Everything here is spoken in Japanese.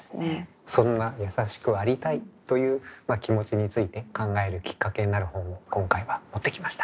そんなやさしくありたいという気持ちについて考えるきっかけになる本を今回は持ってきました。